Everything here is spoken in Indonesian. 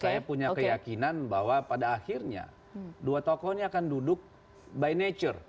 saya punya keyakinan bahwa pada akhirnya dua tokoh ini akan duduk by nature